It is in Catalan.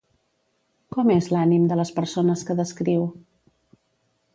Com és l'ànim de les persones que descriu?